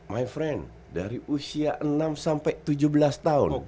my friend dari usia enam sampai tujuh belas tahun